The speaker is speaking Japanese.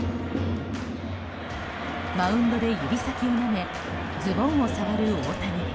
マウンドで指先をなめズボンを触る大谷。